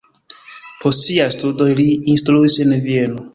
Post siaj studoj li instruis en Vieno.